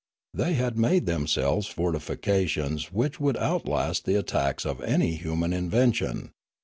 They had made them selves fortifications which would outlast the attacks of any human invention.